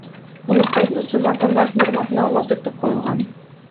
Ымыркайдын ысымы Атамбаевдин урматына Алмазбек деп коюлган.